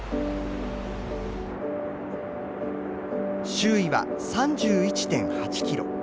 周囲は３１．８キロ。